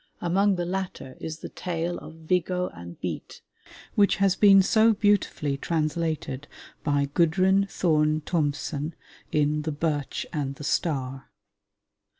Among the latter is the Tale of Viggo and Beate, which has been so beautifully translated by Gudrun Thome Thomsen in The Birch and the Star.